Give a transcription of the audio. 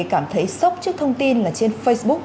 cảm thấy sốc trước thông tin là trên facebook